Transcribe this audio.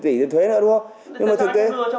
tại sao anh không đưa trong hợp đồng